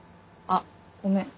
あっごめん。